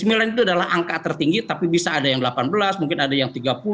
sembilan itu adalah angka tertinggi tapi bisa ada yang delapan belas mungkin ada yang tiga puluh